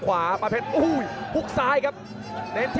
ขวาปานเพชรโอ้โหยขุกซ้ายครับเน้น๖๒